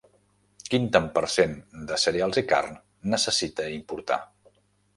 Quin tant per cent de cereals i carn necessita importar?